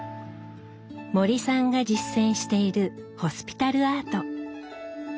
森さんが実践している「ホスピタルアート」。